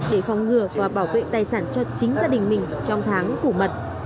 để phòng ngừa và bảo vệ tài sản cho chính gia đình mình trong tháng tủ mật